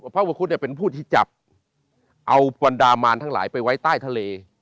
พระอุปคุฎเนี่ยเป็นผู้ทิจจับเอาปว่าดามันทั้งหลายไปไว้ใต้ทะเล